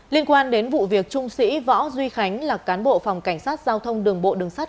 liên quan đến vụ việc trung sĩ võ duy khánh là cán bộ phòng cảnh sát giao thông đường bộ đường sắt